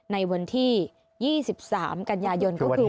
ในวันที่๒๓กันยายนก็คือ